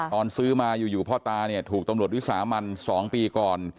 ตอนซื้อมาอยู่พ่อตาเนี่ยถูกตำรวจวิสามัน๒ปีก่อน